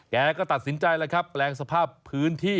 แกก็ตัดสินใจแล้วครับแปลงสภาพพื้นที่